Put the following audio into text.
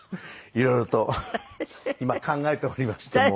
色々と今考えておりましてもう。